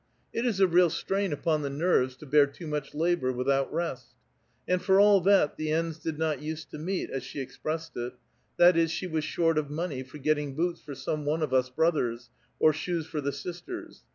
It is a real strain upon the nerves to bear too much labor without rest. And for all that, the ends did not used to meet, as she expressed it ; that is, she was short of money for getting boots for some one of us brothers, or shoes for the sisters.